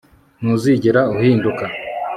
Ntuzigera uhinduka